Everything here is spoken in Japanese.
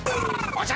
おじゃ？